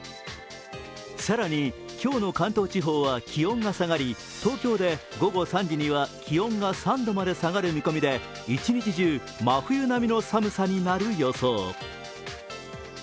更に今日の関東地方は気温が下がり、東京で午後３時には気温が３度まで下がる見込みで、一日中、真冬の寒さになる予想。